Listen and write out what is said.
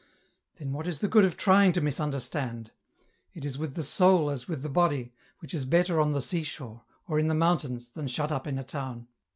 Then what is the good of trying to misunderstand ? It is with the soul as with the body, which is better on the sea shore, or in the mountains, than shut up in a town.